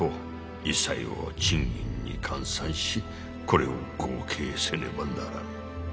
一切を賃金に換算しこれを合計せねばならぬ。